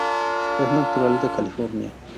Es natural de California.